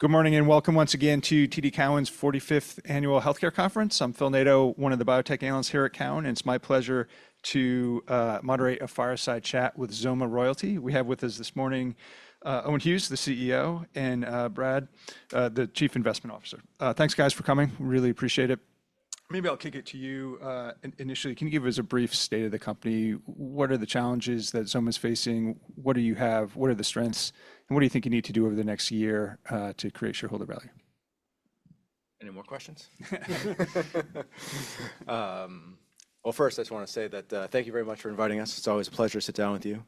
Good morning and welcome once again to TD Cowen's 45th Annual Healthcare Conference. I'm Phil Nadeau, one of the biotech analysts here at Cowen, and it's my pleasure to moderate a fireside chat with XOMA Royalty. We have with us this morning Owen Hughes, the CEO, and Brad, the Chief Investment Officer. Thanks, guys, for coming. We really appreciate it. Maybe I'll kick it to you initially. Can you give us a brief state of the company? What are the challenges that XOMA is facing? What do you have? What are the strengths? What do you think you need to do over the next year to create shareholder value? Any more questions? First, I just want to say that thank you very much for inviting us. It's always a pleasure to sit down with you.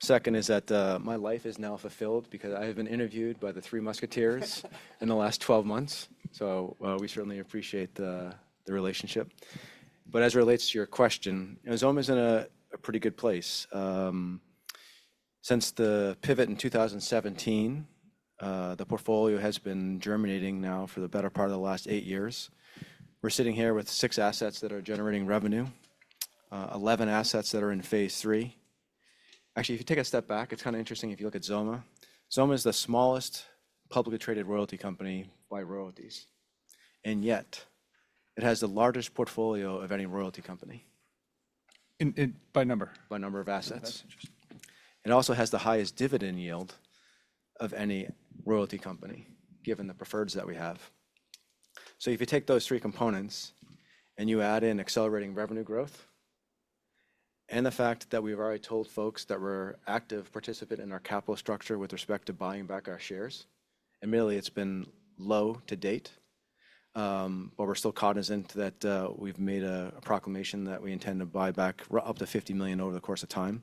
Second is that my life is now fulfilled because I have been interviewed by the three musketeers in the last 12 months. We certainly appreciate the relationship. As it relates to your question, XOMA is in a pretty good place. Since the pivot in 2017, the portfolio has been germinating now for the better part of the last eight years. We're sitting here with six assets that are generating revenue, 11 assets that are in phase III. Actually, if you take a step back, it's kind of interesting if you look at XOMA. XOMA is the smallest publicly traded royalty company by royalties. Yet, it has the largest portfolio of any royalty company. By number? By number of assets. It also has the highest dividend yield of any royalty company, given the preferreds that we have. If you take those three components and you add in accelerating revenue growth and the fact that we've already told folks that we're active participants in our capital structure with respect to buying back our shares, admittedly, it's been low to date, but we're still cognizant that we've made a proclamation that we intend to buy back up to $50 million over the course of time.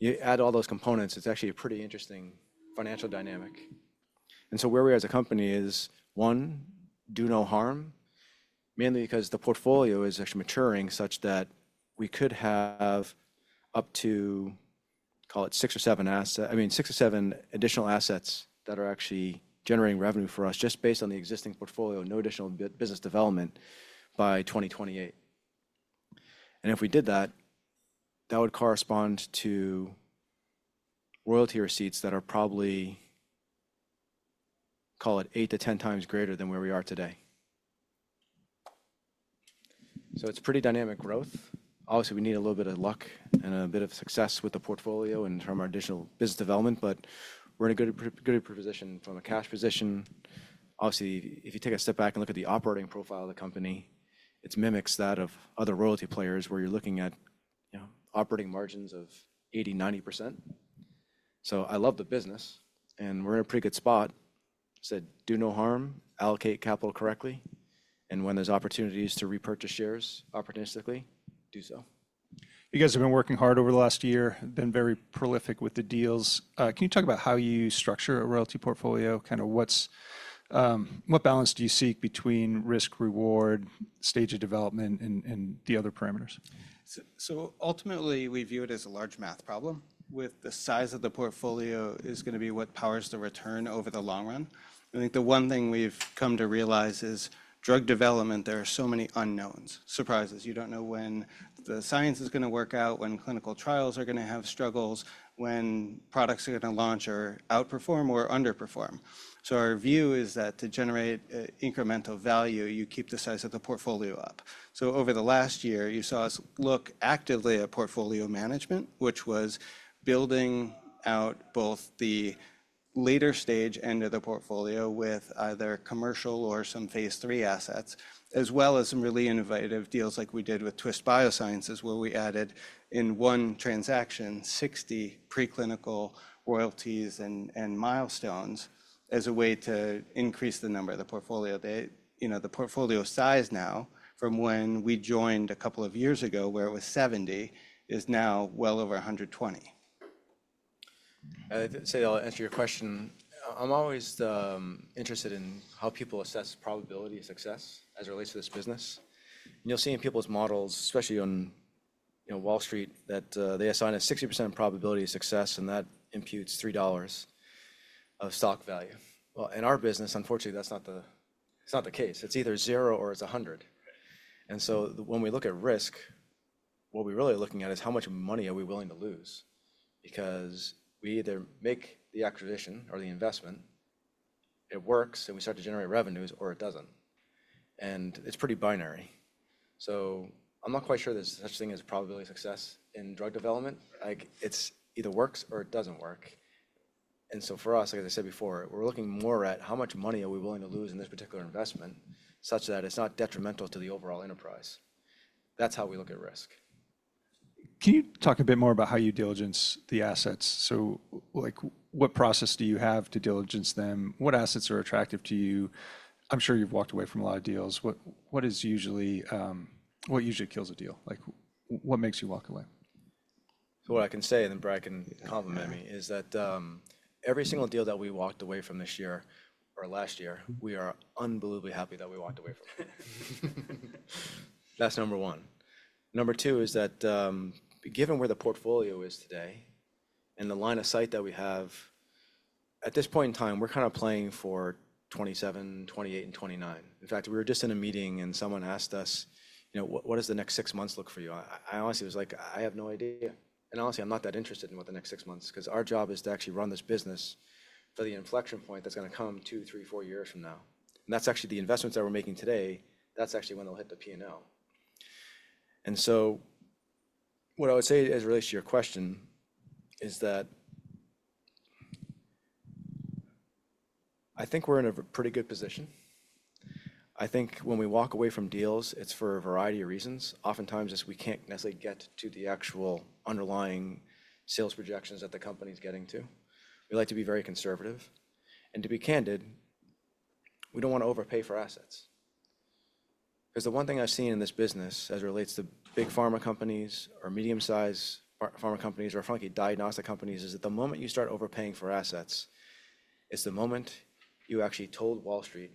You add all those components, it's actually a pretty interesting financial dynamic. Where we are as a company is, one, do no harm, mainly because the portfolio is actually maturing such that we could have up to, call it, six or seven assets, I mean, six or seven additional assets that are actually generating revenue for us just based on the existing portfolio, no additional business development by 2028. If we did that, that would correspond to royalty receipts that are probably, call it, eight to ten times greater than where we are today. It is pretty dynamic growth. Obviously, we need a little bit of luck and a bit of success with the portfolio in terms of our additional business development, but we're in a good position from a cash position. Obviously, if you take a step back and look at the operating profile of the company, it mimics that of other royalty players where you're looking at operating margins of 80-90%. I love the business, and we're in a pretty good spot. Do no harm, allocate capital correctly, and when there's opportunities to repurchase shares opportunistically, do so. You guys have been working hard over the last year, been very prolific with the deals. Can you talk about how you structure a royalty portfolio? Kind of what balance do you seek between risk, reward, stage of development, and the other parameters? Ultimately, we view it as a large math problem, with the size of the portfolio is going to be what powers the return over the long run. I think the one thing we've come to realize is drug development, there are so many unknowns, surprises. You don't know when the science is going to work out, when clinical trials are going to have struggles, when products are going to launch or outperform or underperform. Our view is that to generate incremental value, you keep the size of the portfolio up. Over the last year, you saw us look actively at portfolio management, which was building out both the later stage end of the portfolio with either commercial or some phase III assets, as well as some really innovative deals like we did with Twist Biosciences, where we added in one transaction 60 preclinical royalties and milestones as a way to increase the number of the portfolio. The portfolio size now, from when we joined a couple of years ago, where it was 70, is now well over 120. I'd say I'll answer your question. I'm always interested in how people assess probability of success as it relates to this business. You see in people's models, especially on Wall Street, that they assign a 60% probability of success, and that imputes $3 of stock value. In our business, unfortunately, that's not the case. It's either zero or it's 100. When we look at risk, what we're really looking at is how much money are we willing to lose? Because we either make the acquisition or the investment, it works and we start to generate revenues, or it doesn't. It's pretty binary. I'm not quite sure there's such a thing as probability of success in drug development. It either works or it doesn't work. For us, as I said before, we're looking more at how much money are we willing to lose in this particular investment such that it's not detrimental to the overall enterprise. That's how we look at risk. Can you talk a bit more about how you diligence the assets? What process do you have to diligence them? What assets are attractive to you? I'm sure you've walked away from a lot of deals. What usually kills a deal? What makes you walk away? What I can say, and then Brad can complement me, is that every single deal that we walked away from this year or last year, we are unbelievably happy that we walked away from. That is number one. Number two is that given where the portfolio is today and the line of sight that we have, at this point in time, we are kind of playing for 2027, 2028, and 2029. In fact, we were just in a meeting and someone asked us, what does the next six months look for you? I honestly was like, I have no idea. Honestly, I am not that interested in what the next six months, because our job is to actually run this business for the inflection point that is going to come two, three, four years from now. That is actually the investments that we are making today. That is actually when they will hit the P&L. What I would say as it relates to your question is that I think we're in a pretty good position. I think when we walk away from deals, it's for a variety of reasons. Oftentimes, we can't necessarily get to the actual underlying sales projections that the company is getting to. We like to be very conservative. To be candid, we don't want to overpay for assets. The one thing I've seen in this business as it relates to big pharma companies or medium-sized pharma companies or frankly diagnostic companies is that the moment you start overpaying for assets, it's the moment you actually told Wall Street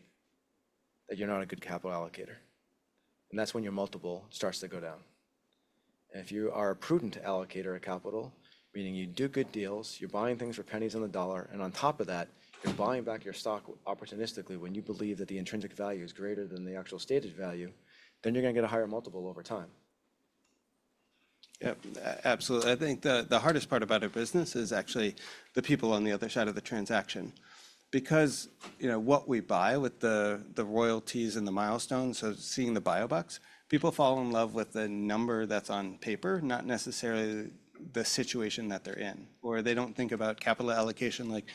that you're not a good capital allocator. That's when your multiple starts to go down. If you are a prudent allocator of capital, meaning you do good deals, you're buying things for pennies on the dollar, and on top of that, you're buying back your stock opportunistically when you believe that the intrinsic value is greater than the actual stated value, you're going to get a higher multiple over time. Yeah, absolutely. I think the hardest part about our business is actually the people on the other side of the transaction. Because what we buy with the royalties and the milestones, seeing the buyer box, people fall in love with the number that's on paper, not necessarily the situation that they're in. Or they don't think about capital allocation like,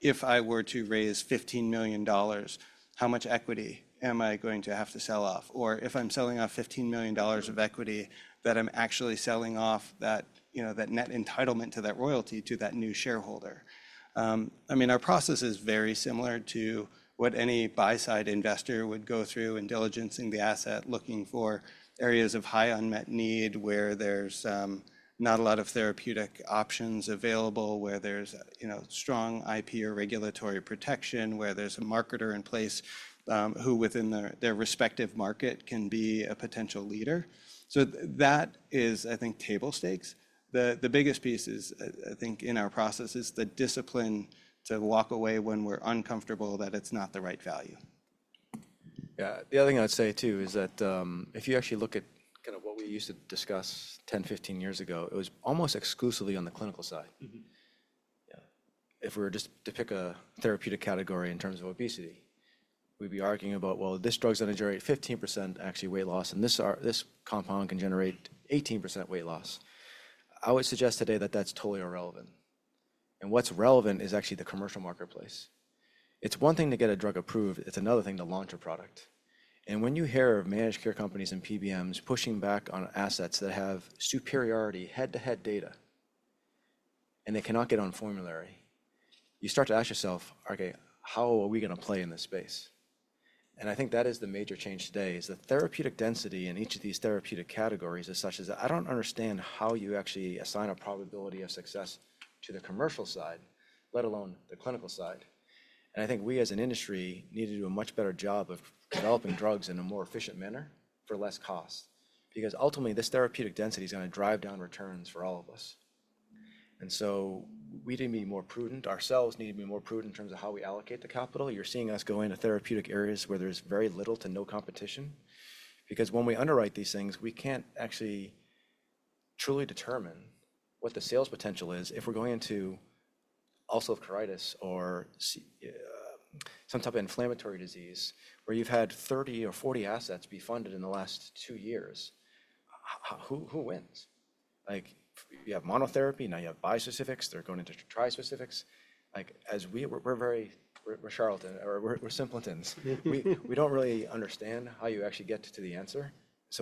if I were to raise $15 million, how much equity am I going to have to sell off? Or if I'm selling off $15 million of equity, that I'm actually selling off that net entitlement to that royalty to that new shareholder. I mean, our process is very similar to what any buy-side investor would go through in diligencing the asset, looking for areas of high unmet need where there's not a lot of therapeutic options available, where there's strong IP or regulatory protection, where there's a marketer in place who within their respective market can be a potential leader. That is, I think, table stakes. The biggest piece, I think, in our process is the discipline to walk away when we're uncomfortable that it's not the right value. Yeah, the other thing I would say too is that if you actually look at kind of what we used to discuss 10, 15 years ago, it was almost exclusively on the clinical side. If we were just to pick a therapeutic category in terms of obesity, we'd be arguing about, well, this drug's going to generate 15% actually weight loss, and this compound can generate 18% weight loss. I would suggest today that that's totally irrelevant. What's relevant is actually the commercial marketplace. It's one thing to get a drug approved. It's another thing to launch a product. When you hear of managed care companies and PBMs pushing back on assets that have superiority, head-to-head data, and they cannot get on formulary, you start to ask yourself, OK, how are we going to play in this space? I think that is the major change today. The therapeutic density in each of these therapeutic categories is such that I don't understand how you actually assign a probability of success to the commercial side, let alone the clinical side. I think we as an industry need to do a much better job of developing drugs in a more efficient manner for less cost. Ultimately, this therapeutic density is going to drive down returns for all of us. We need to be more prudent. Ourselves need to be more prudent in terms of how we allocate the capital. You're seeing us go into therapeutic areas where there's very little to no competition. Because when we underwrite these things, we can't actually truly determine what the sales potential is if we're going into ulcerative colitis or some type of inflammatory disease where you've had 30 or 40 assets be funded in the last two years. Who wins? You have monotherapy. Now you have bispecifics. They're going into trispecifics. As we're very charlatan or we're simpletons, we don't really understand how you actually get to the answer.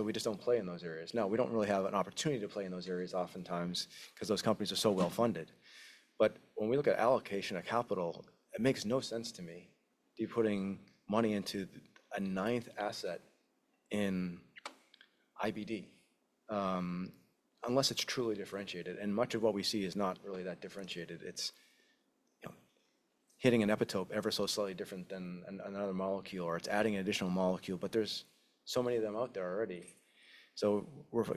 We just don't play in those areas. We don't really have an opportunity to play in those areas oftentimes because those companies are so well funded. When we look at allocation of capital, it makes no sense to me to be putting money into a ninth asset in IBD unless it's truly differentiated. Much of what we see is not really that differentiated. It's hitting an epitope ever so slightly different than another molecule, or it's adding an additional molecule. There are so many of them out there already. We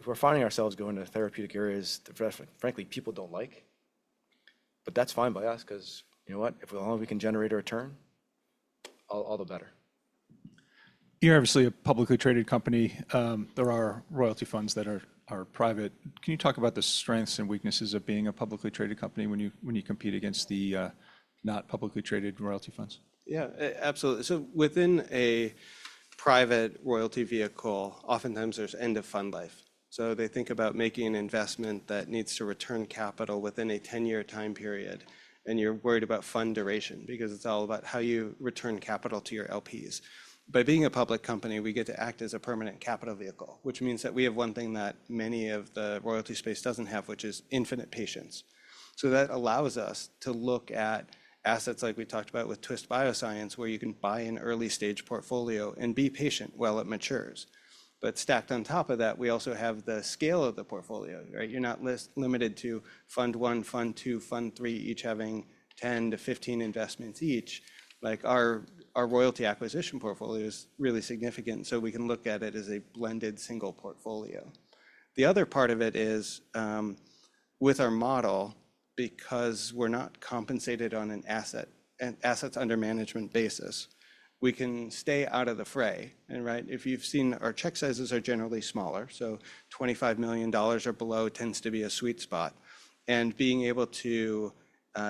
are finding ourselves going to therapeutic areas that, frankly, people do not like. That is fine by us because, you know what? If we can generate a return, all the better. You're obviously a publicly traded company. There are royalty funds that are private. Can you talk about the strengths and weaknesses of being a publicly traded company when you compete against the not publicly traded royalty funds? Yeah, absolutely. Within a private royalty vehicle, oftentimes there's end of fund life. They think about making an investment that needs to return capital within a 10-year time period. You're worried about fund duration because it's all about how you return capital to your LPs. By being a public company, we get to act as a permanent capital vehicle, which means that we have one thing that many of the royalty space doesn't have, which is infinite patience. That allows us to look at assets like we talked about with Twist Bioscience, where you can buy an early stage portfolio and be patient while it matures. Stacked on top of that, we also have the scale of the portfolio. You're not limited to fund one, fund two, fund three, each having 10-15 investments each. Our royalty acquisition portfolio is really significant. We can look at it as a blended single portfolio. The other part of it is with our model, because we're not compensated on an assets under management basis, we can stay out of the fray. If you've seen, our check sizes are generally smaller. $25 million or below tends to be a sweet spot. Being able to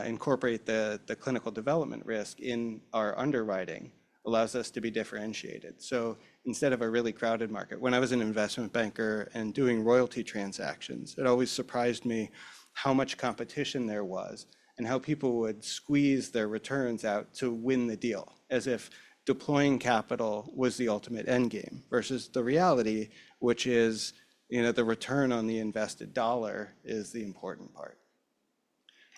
incorporate the clinical development risk in our underwriting allows us to be differentiated. Instead of a really crowded market, when I was an investment banker and doing royalty transactions, it always surprised me how much competition there was and how people would squeeze their returns out to win the deal, as if deploying capital was the ultimate end game versus the reality, which is the return on the invested dollar is the important part.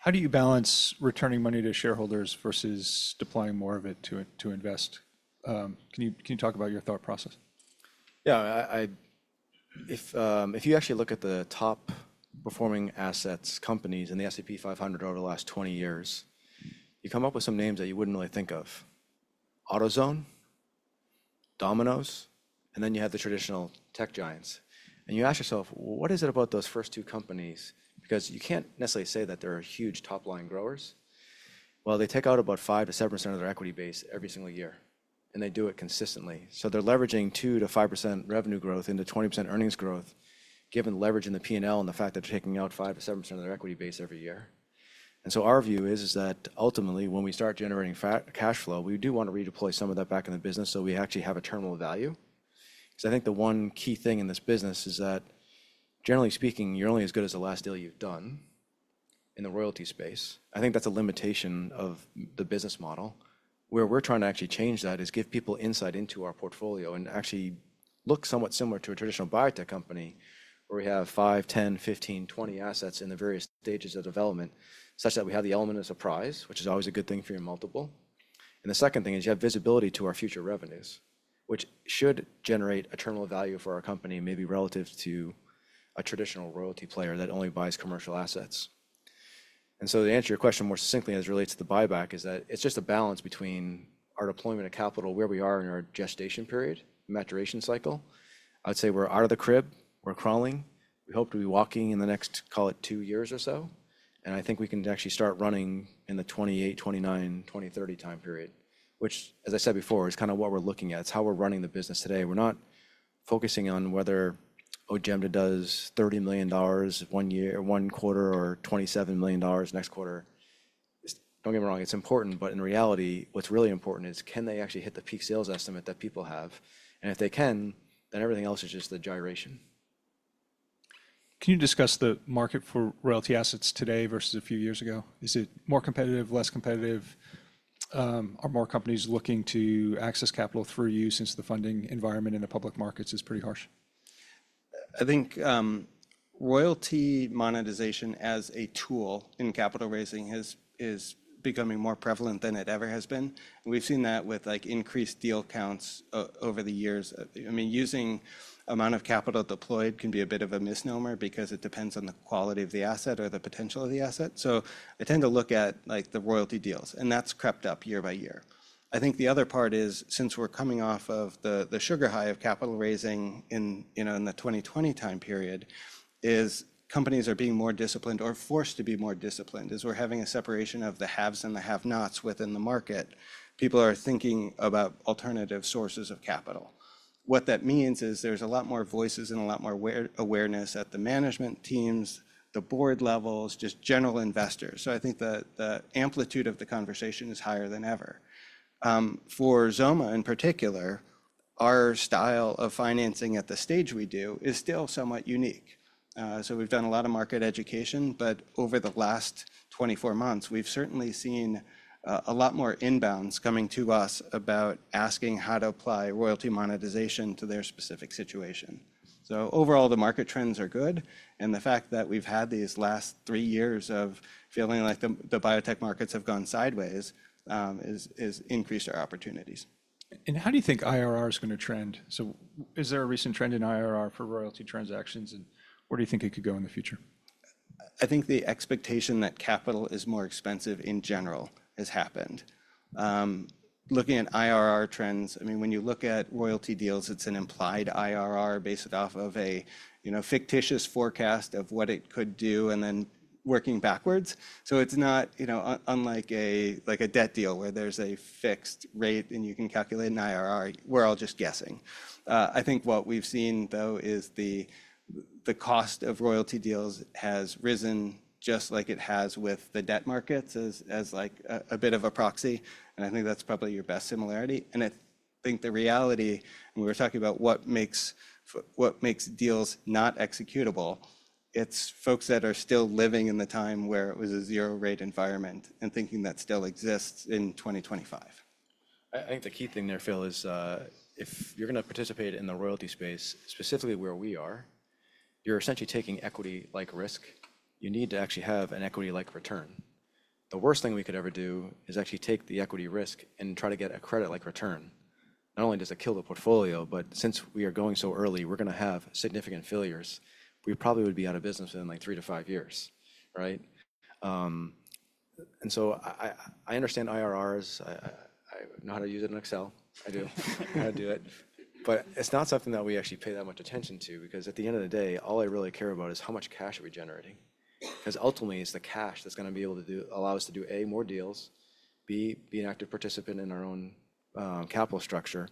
How do you balance returning money to shareholders versus deploying more of it to invest? Can you talk about your thought process? Yeah. If you actually look at the top performing assets companies in the S&P 500 over the last 20 years, you come up with some names that you wouldn't really think of: AutoZone, Domino's, and then you have the traditional tech giants. You ask yourself, what is it about those first two companies? Because you can't necessarily say that they're huge top-line growers. They take out about 5%-7% of their equity base every single year. They do it consistently. They are leveraging 2%-5% revenue growth into 20% earnings growth, given leverage in the P&L and the fact that they're taking out 5%-7% of their equity base every year. Our view is that ultimately, when we start generating cash flow, we do want to redeploy some of that back in the business so we actually have a terminal value. Because I think the one key thing in this business is that, generally speaking, you're only as good as the last deal you've done in the royalty space. I think that's a limitation of the business model. Where we're trying to actually change that is give people insight into our portfolio and actually look somewhat similar to a traditional biotech company where we have 5, 10, 15, 20 assets in the various stages of development such that we have the element of surprise, which is always a good thing for your multiple. The second thing is you have visibility to our future revenues, which should generate a terminal value for our company, maybe relative to a traditional royalty player that only buys commercial assets. To answer your question more succinctly as it relates to the buyback, it's just a balance between our deployment of capital, where we are in our gestation period, maturation cycle. I'd say we're out of the crib. We're crawling. We hope to be walking in the next, call it, two years or so. I think we can actually start running in the 2028, 2029, 2030 time period, which, as I said before, is kind of what we're looking at. It's how we're running the business today. We're not focusing on whether OJEMDA does $30 million one year, one quarter, or $27 million next quarter. Don't get me wrong. It's important. In reality, what's really important is can they actually hit the peak sales estimate that people have. If they can, then everything else is just the gyration. Can you discuss the market for royalty assets today versus a few years ago? Is it more competitive, less competitive? Are more companies looking to access capital through you since the funding environment in the public markets is pretty harsh? I think royalty monetization as a tool in capital raising is becoming more prevalent than it ever has been. We've seen that with increased deal counts over the years. I mean, using the amount of capital deployed can be a bit of a misnomer because it depends on the quality of the asset or the potential of the asset. I tend to look at the royalty deals. That's crept up year by year. I think the other part is since we're coming off of the sugar high of capital raising in the 2020 time period, companies are being more disciplined or forced to be more disciplined. As we're having a separation of the haves and the have-nots within the market, people are thinking about alternative sources of capital. What that means is there's a lot more voices and a lot more awareness at the management teams, the board levels, just general investors. I think the amplitude of the conversation is higher than ever. For XOMA in particular, our style of financing at the stage we do is still somewhat unique. We have done a lot of market education. Over the last 24 months, we have certainly seen a lot more inbounds coming to us about asking how to apply royalty monetization to their specific situation. Overall, the market trends are good. The fact that we have had these last three years of feeling like the biotech markets have gone sideways has increased our opportunities. How do you think IRR is going to trend? Is there a recent trend in IRR for royalty transactions? Where do you think it could go in the future? I think the expectation that capital is more expensive in general has happened. Looking at IRR trends, I mean, when you look at royalty deals, it's an implied IRR based off of a fictitious forecast of what it could do and then working backwards. It's not unlike a debt deal where there's a fixed rate and you can calculate an IRR. We're all just guessing. I think what we've seen, though, is the cost of royalty deals has risen just like it has with the debt markets as a bit of a proxy. I think that's probably your best similarity. I think the reality, when we were talking about what makes deals not executable, it's folks that are still living in the time where it was a zero rate environment and thinking that still exists in 2025. I think the key thing there, Phil, is if you're going to participate in the royalty space, specifically where we are, you're essentially taking equity-like risk. You need to actually have an equity-like return. The worst thing we could ever do is actually take the equity risk and try to get a credit-like return. Not only does it kill the portfolio, but since we are going so early, we're going to have significant failures. We probably would be out of business within three to five years. I understand IRRs. I know how to use it in Excel. I do. I know how to do it. It's not something that we actually pay that much attention to. Because at the end of the day, all I really care about is how much cash are we generating. Because ultimately, it's the cash that's going to be able to allow us to do, A, more deals, B, be an active participant in our own capital structure.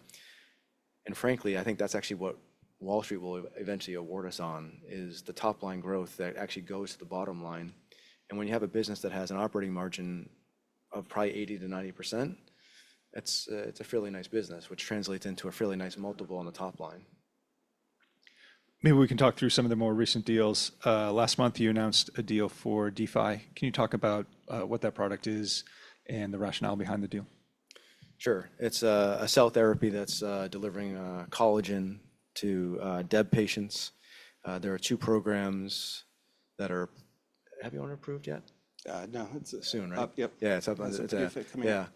Frankly, I think that's actually what Wall Street will eventually award us on is the top-line growth that actually goes to the bottom line. When you have a business that has an operating margin of probably 80%-90%, it's a fairly nice business, which translates into a fairly nice multiple on the top line. Maybe we can talk through some of the more recent deals. Last month, you announced a deal for D-Fi. Can you talk about what that product is and the rationale behind the deal? Sure. It's a cell therapy that's delivering collagen to DEB patients. There are two programs that are, have you all approved yet? No. Soon, right? Yep. Yeah. It's about to come in. Yeah.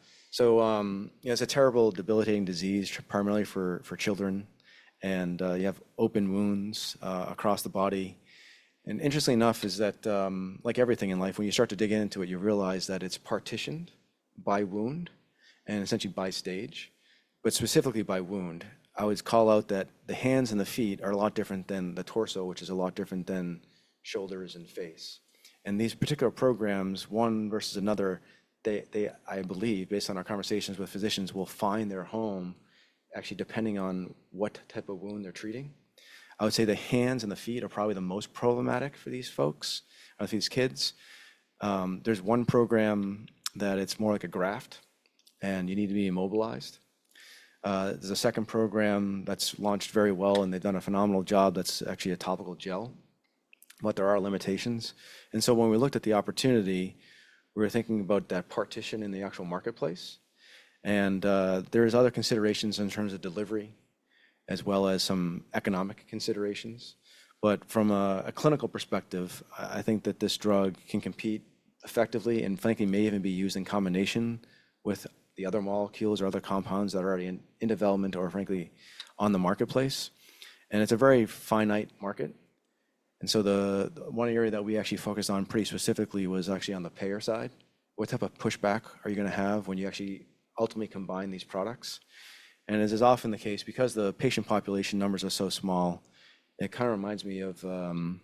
It's a terrible, debilitating disease, primarily for children. You have open wounds across the body. Interesting enough is that, like everything in life, when you start to dig into it, you realize that it's partitioned by wound and essentially by stage. Specifically by wound, I would call out that the hands and the feet are a lot different than the torso, which is a lot different than shoulders and face. These particular programs, one versus another, I believe, based on our conversations with physicians, will find their home actually depending on what type of wound they're treating. I would say the hands and the feet are probably the most problematic for these folks, these kids. There's one program that is more like a graft, and you need to be immobilized. There's a second program that's launched very well, and they've done a phenomenal job. That's actually a topical gel. There are limitations. When we looked at the opportunity, we were thinking about that partition in the actual marketplace. There are other considerations in terms of delivery, as well as some economic considerations. From a clinical perspective, I think that this drug can compete effectively and, frankly, may even be used in combination with the other molecules or other compounds that are already in development or, frankly, on the marketplace. It is a very finite market. One area that we actually focused on pretty specifically was actually on the payer side. What type of pushback are you going to have when you actually ultimately combine these products? As is often the case, because the patient population numbers are so small, it kind of reminds me of the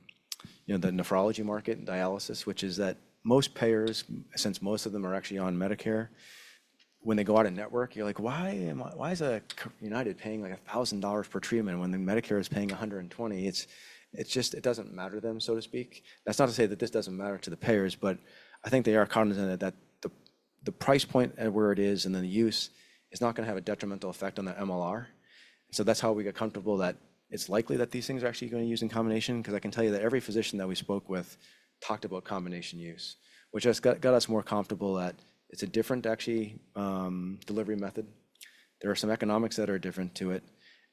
nephrology market and dialysis, which is that most payers, since most of them are actually on Medicare, when they go out of network, you're like, why is United paying like $1,000 per treatment when Medicare is paying $120? It doesn't matter to them, so to speak. That's not to say that this doesn't matter to the payers. I think they are cognizant that the price point at where it is and then the use is not going to have a detrimental effect on the MLR. That is how we get comfortable that it's likely that these things are actually going to be used in combination. Because I can tell you that every physician that we spoke with talked about combination use, which has got us more comfortable that it's a different actually delivery method. There are some economics that are different to it.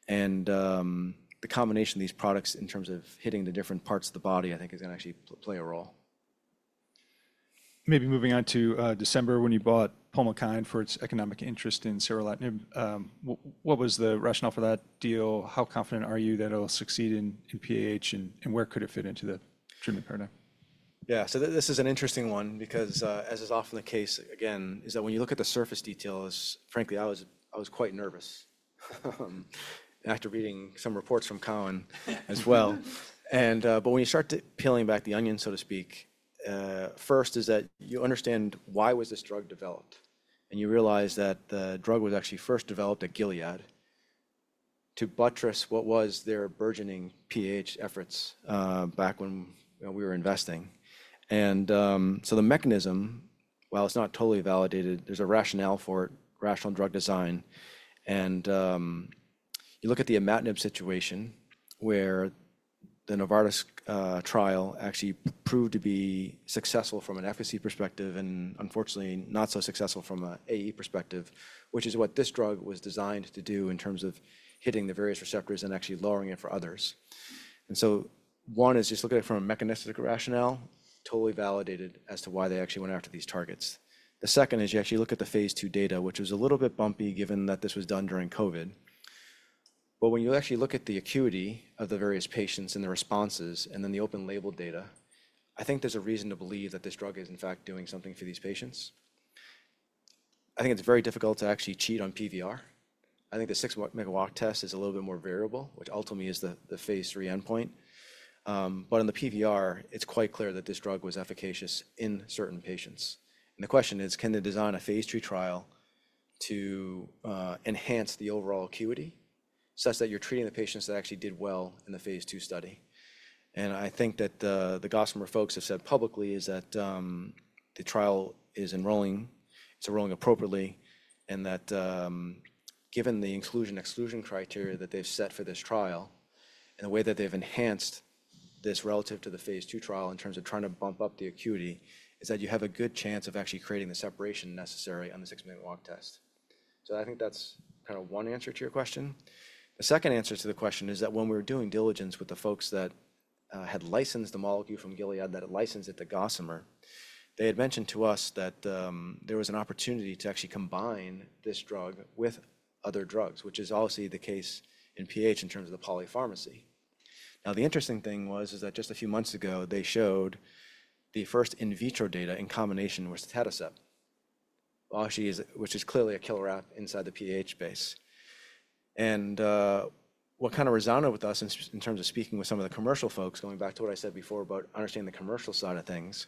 The combination of these products in terms of hitting the different parts of the body, I think, is going to actually play a role. Maybe moving on to December when you bought Pulmokine for its economic interest in seralutinib. What was the rationale for that deal? How confident are you that it'll succeed in PAH? Where could it fit into the treatment paradigm? Yeah. This is an interesting one. As is often the case, again, when you look at the surface details, frankly, I was quite nervous after reading some reports from Cowen as well. When you start peeling back the onion, so to speak, first is that you understand why was this drug developed. You realize that the drug was actually first developed at Gilead to buttress what was their burgeoning PAH efforts back when we were investing. The mechanism, while it's not totally validated, there's a rationale for it, rational drug design. You look at the imatinib situation where the Novartis trial actually proved to be successful from an efficacy perspective and, unfortunately, not so successful from an AE perspective, which is what this drug was designed to do in terms of hitting the various receptors and actually lowering it for others. One is just look at it from a mechanistic rationale, totally validated as to why they actually went after these targets. The second is you actually look at the phase II data, which was a little bit bumpy given that this was done during COVID. When you actually look at the acuity of the various patients and the responses and then the open label data, I think there's a reason to believe that this drug is, in fact, doing something for these patients. I think it's very difficult to actually cheat on PVR. I think the six-minute walk test is a little bit more variable, which ultimately is the phase III endpoint. In the PVR, it's quite clear that this drug was efficacious in certain patients. The question is, can they design a phase III trial to enhance the overall acuity such that you're treating the patients that actually did well in the phase II study? I think that the Gossamer folks have said publicly that the trial is enrolling, it's enrolling appropriately, and that given the inclusion-exclusion criteria that they've set for this trial and the way that they've enhanced this relative to the phase II trial in terms of trying to bump up the acuity, you have a good chance of actually creating the separation necessary on the six-minute walk test. I think that's kind of one answer to your question. The second answer to the question is that when we were doing diligence with the folks that had licensed the molecule from Gilead that had licensed it to Gossamer, they had mentioned to us that there was an opportunity to actually combine this drug with other drugs, which is obviously the case in PAH in terms of the polypharmacy. The interesting thing was that just a few months ago, they showed the first in vitro data in combination with sotatercept, which is clearly a killer app inside the PAH base. What kind of resounded with us in terms of speaking with some of the commercial folks, going back to what I said before about understanding the commercial side of things,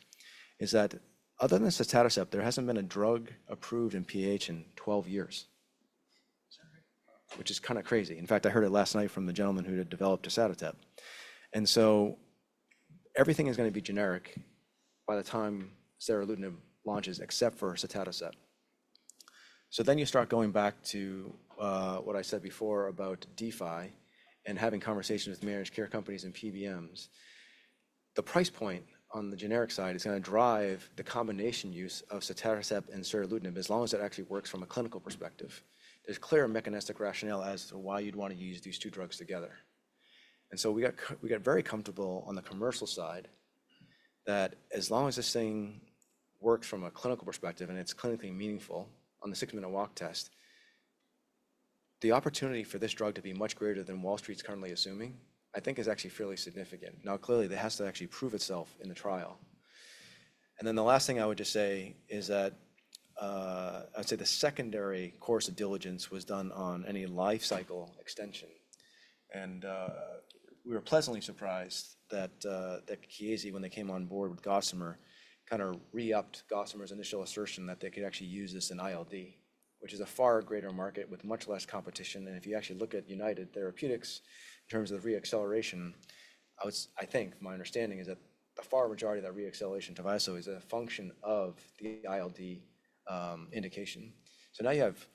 is that other than sotatercept, there hasn't been a drug approved in PAH in 12 years, which is kind of crazy. In fact, I heard it last night from the gentleman who had developed sotatercept. Everything is going to be generic by the time seralutinib launches except for sotatercept. You start going back to what I said before about D-Fi and having conversations with managed care companies and PBMs. The price point on the generic side is going to drive the combination use of cetataccept and seralutinib as long as it actually works from a clinical perspective. There is clear mechanistic rationale as to why you'd want to use these two drugs together. We got very comfortable on the commercial side that as long as this thing works from a clinical perspective and it's clinically meaningful on the six-minute walk test, the opportunity for this drug to be much greater than Wall Street's currently assuming, I think, is actually fairly significant. Now, clearly, it has to actually prove itself in the trial. The last thing I would just say is that I would say the secondary course of diligence was done on any life cycle extension. We were pleasantly surprised that Chiesi, when they came on board with Gossamer, kind of re-upped Gossamer's initial assertion that they could actually use this in ILD, which is a far greater market with much less competition. If you actually look at United Therapeutics in terms of reacceleration, I think my understanding is that the far majority of that reacceleration to Tyvaso is a function of the ILD indication. Now you have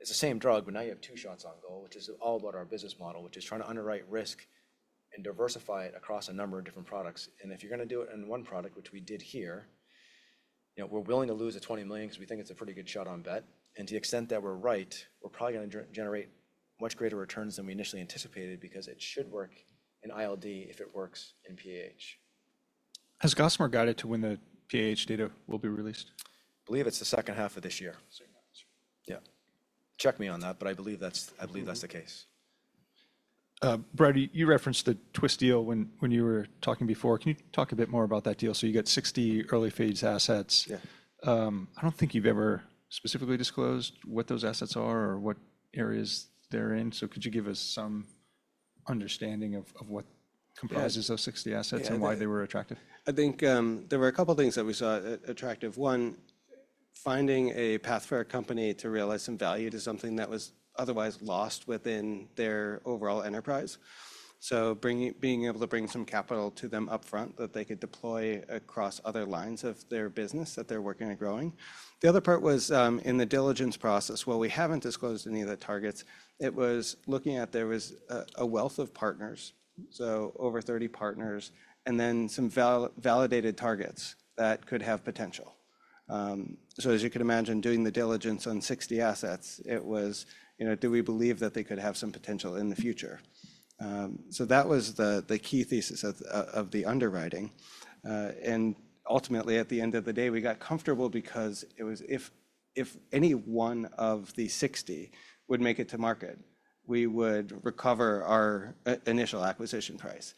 it's the same drug, but now you have two shots on goal, which is all about our business model, which is trying to underwrite risk and diversify it across a number of different products. If you're going to do it in one product, which we did here, we're willing to lose at $20 million because we think it's a pretty good shot on bet. To the extent that we're right, we're probably going to generate much greater returns than we initially anticipated because it should work in ILD if it works in PAH. Has Gossamer guided to when the PAH data will be released? I believe it's the second half of this year. Second half of this year. Yeah. Check me on that. I believe that's the case. Brad, you referenced the Twist deal when you were talking before. Can you talk a bit more about that deal? You got 60 early phase assets. I don't think you've ever specifically disclosed what those assets are or what areas they're in. Can you give us some understanding of what comprises those 60 assets and why they were attractive? I think there were a couple of things that we saw attractive. One, finding a path for a company to realize some value to something that was otherwise lost within their overall enterprise. Being able to bring some capital to them upfront that they could deploy across other lines of their business that they're working on growing. The other part was in the diligence process, while we haven't disclosed any of the targets, it was looking at there was a wealth of partners, so over 30 partners, and then some validated targets that could have potential. As you can imagine, doing the diligence on 60 assets, it was, do we believe that they could have some potential in the future? That was the key thesis of the underwriting. Ultimately, at the end of the day, we got comfortable because if any one of the 60 would make it to market, we would recover our initial acquisition price.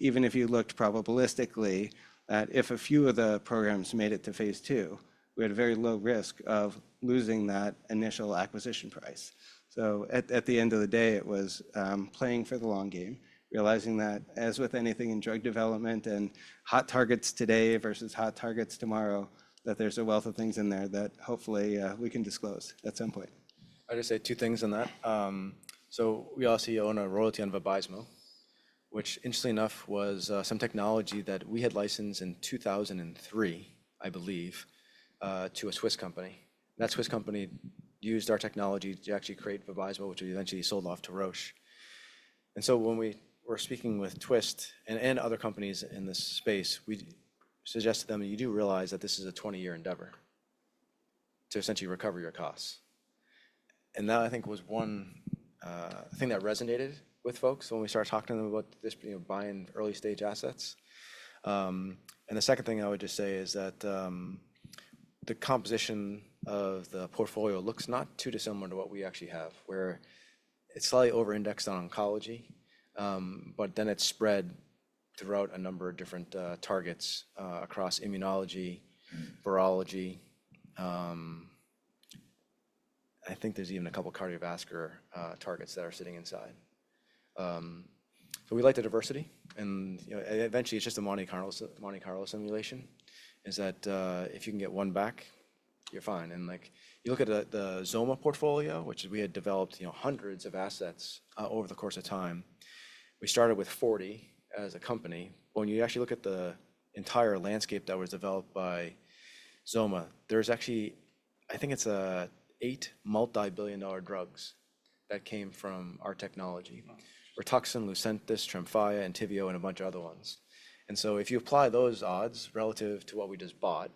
Even if you looked probabilistically at if a few of the programs made it to phase II, we had a very low risk of losing that initial acquisition price. At the end of the day, it was playing for the long game, realizing that as with anything in drug development and hot targets today versus hot targets tomorrow, there is a wealth of things in there that hopefully we can disclose at some point. I'd just say two things on that. We obviously own a royalty on Vabysmo, which, interestingly enough, was some technology that we had licensed in 2003, I believe, to a Swiss company. That Swiss company used our technology to actually create Vabysmo, which we eventually sold off to Roche. When we were speaking with Twist and other companies in this space, we suggested to them, you do realize that this is a 20-year endeavor to essentially recover your costs. That, I think, was one thing that resonated with folks when we started talking to them about buying early stage assets. The second thing I would just say is that the composition of the portfolio looks not too dissimilar to what we actually have, where it's slightly over-indexed on oncology, but then it's spread throughout a number of different targets across immunology, virology. I think there's even a couple of cardiovascular targets that are sitting inside. We like the diversity. Eventually, it's just a Monte Carlo simulation, is that if you can get one back, you're fine. You look at the XOMA portfolio, which we had developed hundreds of assets over the course of time. We started with 40 as a company. When you actually look at the entire landscape that was developed by XOMA, there's actually, I think it's eight multibillion-dollar drugs that came from our technology: RITUXAN, LUCENTIS, TREMFYA, ENTYVIO, and a bunch of other ones. If you apply those odds relative to what we just bought,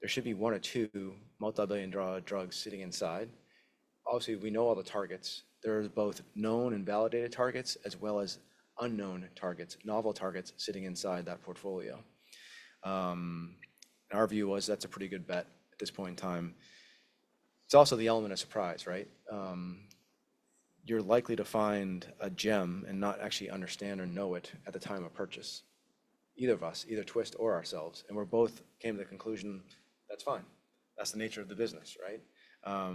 there should be one or two multibillion-dollar drugs sitting inside. Obviously, we know all the targets. There are both known and validated targets as well as unknown targets, novel targets sitting inside that portfolio. Our view was that's a pretty good bet at this point in time. It's also the element of surprise, right? You're likely to find a gem and not actually understand or know it at the time of purchase, either of us, either Twist or ourselves. We both came to the conclusion, that's fine. That's the nature of the business, right?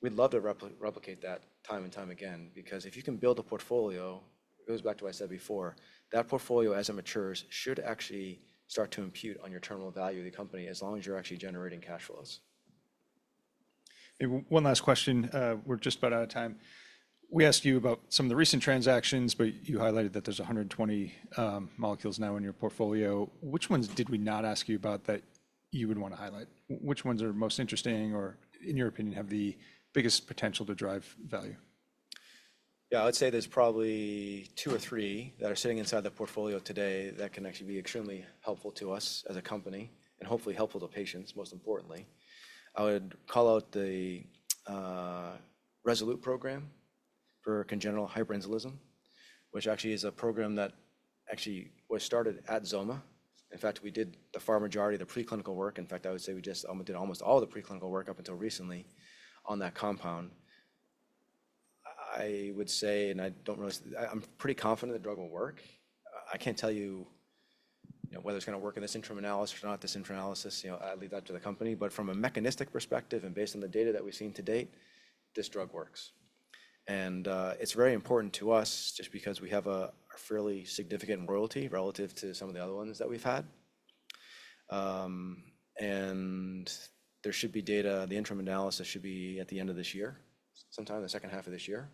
We'd love to replicate that time and time again. Because if you can build a portfolio, it goes back to what I said before, that portfolio, as it matures, should actually start to impute on your terminal value of the company as long as you're actually generating cash flows. One last question. We're just about out of time. We asked you about some of the recent transactions, but you highlighted that there's 120 molecules now in your portfolio. Which ones did we not ask you about that you would want to highlight? Which ones are most interesting or, in your opinion, have the biggest potential to drive value? Yeah, I would say there's probably two or three that are sitting inside the portfolio today that can actually be extremely helpful to us as a company and hopefully helpful to patients, most importantly. I would call out the Resolvetin program for congenital hyperinsulinism, which actually is a program that actually was started at XOMA. In fact, we did the far majority of the preclinical work. In fact, I would say we just almost did almost all the preclinical work up until recently on that compound. I would say, and I don't really, I'm pretty confident the drug will work. I can't tell you whether it's going to work in this interim analysis or not, this interim analysis. I leave that to the company. From a mechanistic perspective and based on the data that we've seen to date, this drug works. It is very important to us just because we have a fairly significant royalty relative to some of the other ones that we've had. There should be data, the interim analysis should be at the end of this year, sometime in the second half of this year.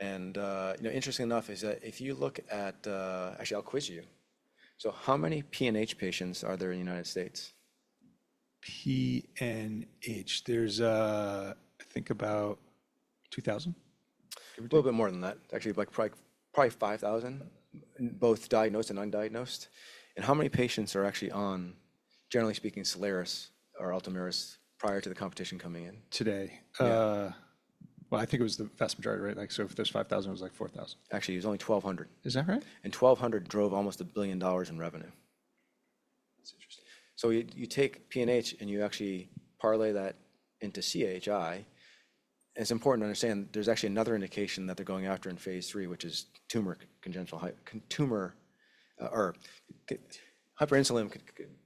Interesting enough is that if you look at, actually, I'll quiz you. How many PNH patients are there in the United States? PNH, there's, I think, about 2,000? A little bit more than that, actually, like probably 5,000, both diagnosed and undiagnosed. How many patients are actually on, generally speaking, Soliris or ULTOMIRIS prior to the competition coming in? Today. I think it was the vast majority, right? If there's 5,000, it was like 4,000. Actually, it was only 1,200. Is that right? Twelve hundred drove almost a billion dollars in revenue. That's interesting. You take PNH and you actually parlay that into CHI. It's important to understand there's actually another indication that they're going after in phase III, which is tumor or hyperinsulin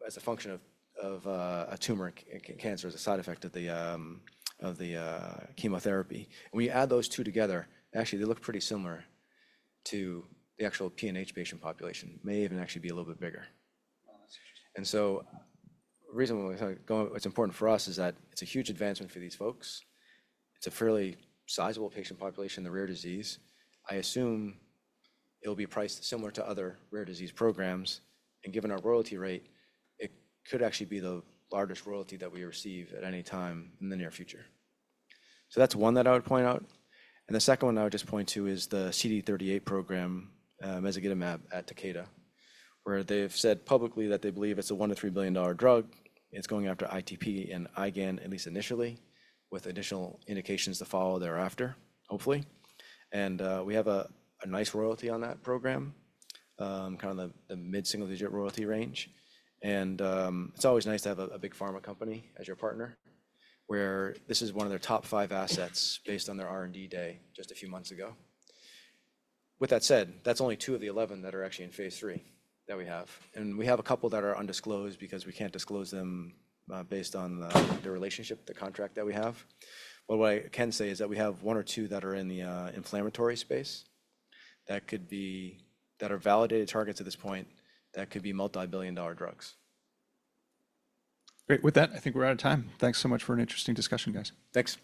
as a function of a tumor cancer as a side effect of the chemotherapy. When you add those two together, actually, they look pretty similar to the actual PNH patient population, may even actually be a little bit bigger. Reasonably, what's important for us is that it's a huge advancement for these folks. It's a fairly sizable patient population in the rare disease. I assume it'll be priced similar to other rare disease programs. Given our royalty rate, it could actually be the largest royalty that we receive at any time in the near future. That's one that I would point out. The second one I would just point to is the CD38 program, mezagitamab, at Takeda, where they've said publicly that they believe it's a $1 billion-$3 billion drug. It's going after ITP and IgAN, at least initially, with additional indications to follow thereafter, hopefully. We have a nice royalty on that program, kind of the mid-single-digit royalty range. It's always nice to have a big pharma company as your partner, where this is one of their top five assets based on their R&D day just a few months ago. With that said, that's only two of the 11 that are actually in phase III that we have. We have a couple that are undisclosed because we can't disclose them based on the relationship, the contract that we have. What I can say is that we have one or two that are in the inflammatory space that are validated targets at this point that could be multibillion-dollar drugs. Great. With that, I think we're out of time. Thanks so much for an interesting discussion, guys. Thanks.